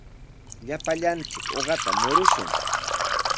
Llapallanchik uqata murumushun.